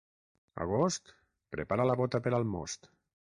Agost, prepara la bota per al most.